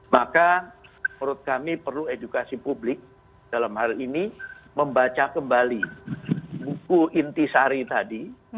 maka menurut kami perlu edukasi publik dalam hal ini membaca kembali buku inti sari tadi